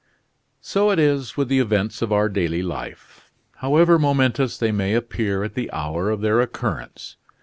So it is with the events of our daily life, however momentous they may appear at the hour of their occurrence.